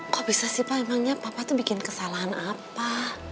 kok bisa sih pak emangnya papa itu bikin kesalahan apa